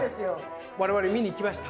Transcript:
我々見に行きました。